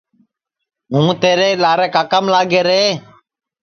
ہوں تیرے لارے کاکام لاگے رے